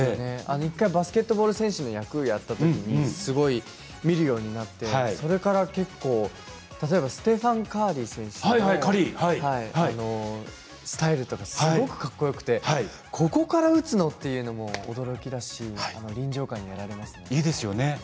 １回バスケットボール選手の役をやったときにすごい見るようになってそれから結構、例えばステファン・カーリー選手スタイルとかすごくかっこよくてここから打つの？というのも驚きだし臨場感にやられますね。